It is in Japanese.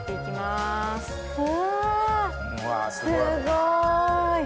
すごい！